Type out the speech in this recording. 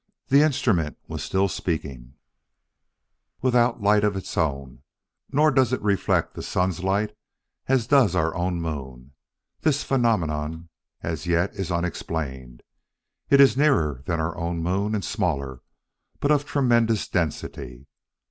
The instrument was still speaking: " Without light of its own, nor does it reflect the sun's light as does our own moon. This phenomenon, as yet, is unexplained. It is nearer than our own moon and smaller, but of tremendous density."